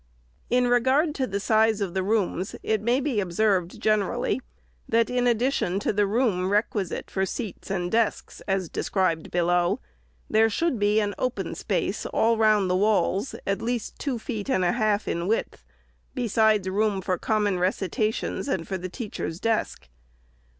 In regard to the size of the rooms, it may be observed, generally, that in addition to the room requisite for seats and desks, as described below, there should be an open space all round the walls, at least two feet and a half in width, besides room for common recitations, and for the teacher's desk.